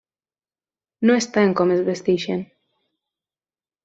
No està en com es vesteixen.